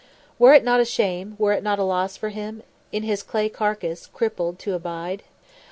"Were't not a shame, were't not a loss for him In this clay carcase, crippled, to abide?"